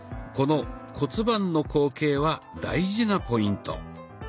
この骨盤の後傾は大事なポイント。